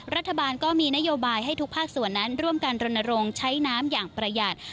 รัฐบาลก็มีนโยบายให้ทุกภาคส่วนนั้นร่วมกันรณรงค์ใช้น้ำอย่างประหยัด